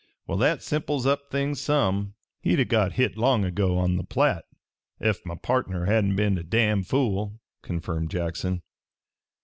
"Well, that simples up things some." "He'd o' got hit long ago, on the Platte, ef my partner hadn't been a damned fool," confirmed Jackson.